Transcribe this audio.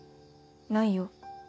ないよ。